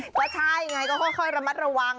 ก็ใช่ไงก็ค่อยระมัดระวัง